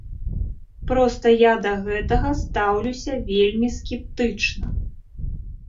Проста я да гэтага стаўлюся вельмі скептычна.